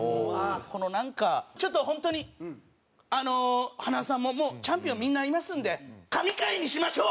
このなんかちょっと本当にあの塙さんももうチャンピオンみんないますんで神回にしましょう！